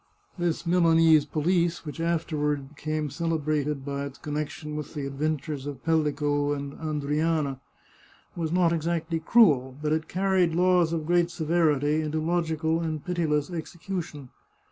This Milanese police, which afterward became celebrated by its connection with the adventures of Pellico and Andryana, was not ex actly cruel, but it carried laws of great severity into logical and pitiless execution.